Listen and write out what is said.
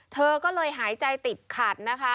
เธอก็เลยหายใจติดขัดนะคะ